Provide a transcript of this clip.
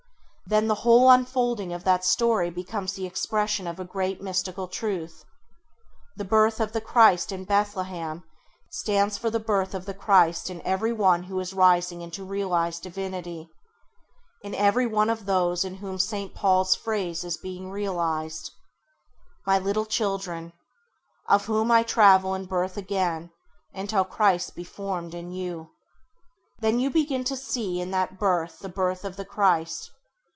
Then the whole unfolding of that story becomes the expression of a great mystical truth. The birth of the Christ in Bethlehem stands for the birth of the Christ in every one who is rising into realised [Page 11] divinity, in every one of those in whom S. Paul's phrase is being realised: ŌĆ£My little children, of whom I travail in birth again until Christ be formed in youŌĆ£. Then you begin to see in that birth the birth of the Christ.